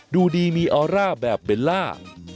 ดูดีมีออร่าแบบเบลล่า